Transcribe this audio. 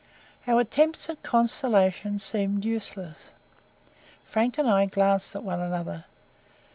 Our attempts at consolation seemed useless. Frank and I glanced at one another.